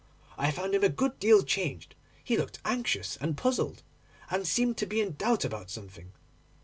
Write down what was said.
I found him a good deal changed. He looked anxious and puzzled, and seemed to be in doubt about something.